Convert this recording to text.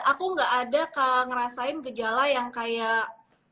aku gak ada ngerasain gejala yang kayak